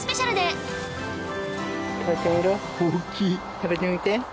食べてみて。